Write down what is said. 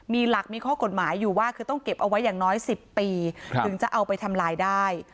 มีหลักมีข้อกฎหมายอยู่ว่าคือต้องเก็บเอาไว้อย่างน้อย๑๐ปีถึงจะเอาไปทำลายได้